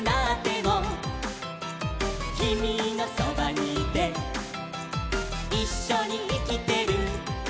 「きみのそばにいていっしょにいきてる」